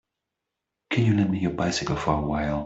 Can you lend me your bycicle for a while.